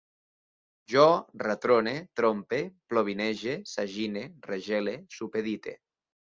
Jo retrone, trompe, plovinege, sagine, regele, supedite